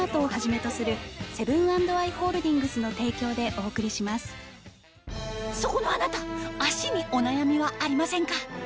お店ではそこのあなた足にお悩みはありませんか？